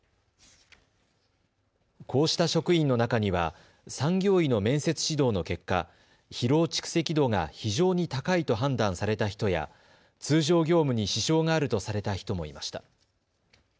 こうした職員の中には産業医の面接指導の結果、疲労蓄積度が非常に高いと判断された人や通常業務に支障があるとされた人もいました。